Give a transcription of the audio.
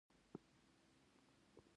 پیاله د ښکلا بیان دی.